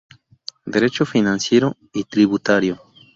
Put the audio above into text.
Derecho financiero y tributario.